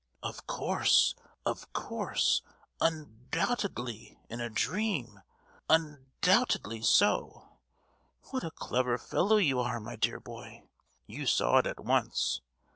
"Of course, of course; un—doubtedly in a dream, un—doubtedly so! What a clever fellow you are, my dear boy; you saw it at once.